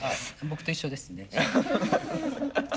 僕と一緒ですねじゃあ。